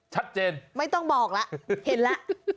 ชัดเจนไม่ต้องบอกล่ะเห็นละ